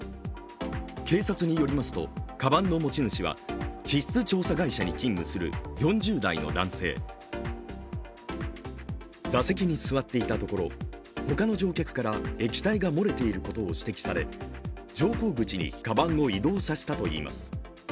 警察によりますと、かばんの持ち主は地質調査会社に勤務する４０代の男性、座席に座っていたところ、他の乗客から液体が漏れていることを指摘され乗降口にかばんを移動させたといいます。